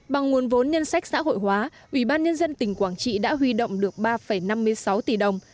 bằng nguồn vốn nhân sách xã hội hóa ủy ban nhân dân tỉnh quảng trị đã huy động được ba năm mươi sáu tỷ đồng